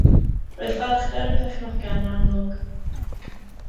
Roedd balchder y perchnogion yn amlwg.